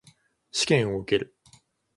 試験を受ける。